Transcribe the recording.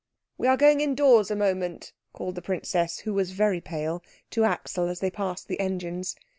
"We are going indoors a moment," called the princess, who was very pale, to Axel as they passed the engines.